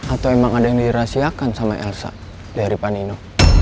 atau emang ada yang dirahsiakan sama elsa dari pak nino